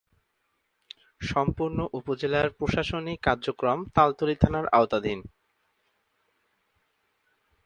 সম্পূর্ণ উপজেলার প্রশাসনিক কার্যক্রম তালতলী থানার আওতাধীন।